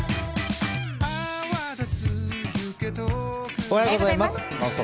おはようございます。